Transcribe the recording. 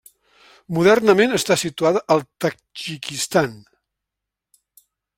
Modernament està situada al Tadjikistan.